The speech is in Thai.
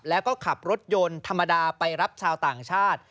แล้วก็ขับรถยนต์ธรรมดาไปรับชาวต่างชาติ